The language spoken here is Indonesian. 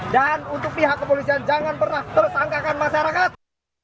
dan untuk pihak kepolisian jangan pernah tersangkakan masyarakat